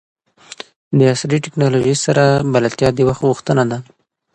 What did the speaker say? د عصري ټکنالوژۍ سره بلدتیا د وخت غوښتنه ده.